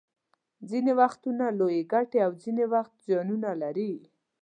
ځینې وختونه لویې ګټې او ځینې وخت زیانونه لري